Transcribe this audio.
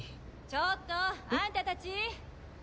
ちょっとあんた達！